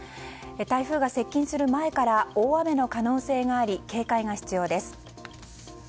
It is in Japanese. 台風が接近する前から大雨の可能性があり警戒が必要です。